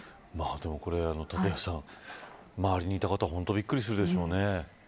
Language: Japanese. でも、これ立岩さん周りにいた方はびっくりするでしょうね。